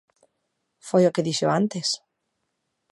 Foi o que dixo antes.